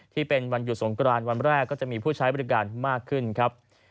ที่เป็นวันหยุดสงกรานวันแรกก็จะมีผู้ใช้บริการมากขึ้นครับ